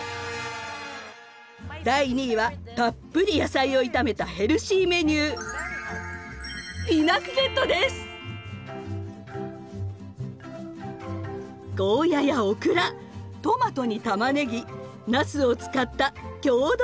第２位はたっぷり野菜を炒めたヘルシーメニューゴーヤやオクラトマトにたまねぎなすを使った郷土料理。